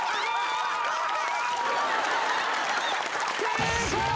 ・成功！